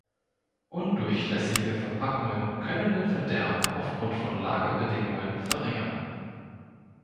Undurchlässige Verpackungen können den Verderb aufgrund von Lagerbedingungen verringern.